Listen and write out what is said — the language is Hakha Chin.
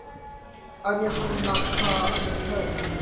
An i hamnak kha an phelh.